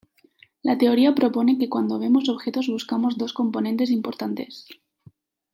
La teoría propone que cuando vemos objetos buscamos dos componentes importantes.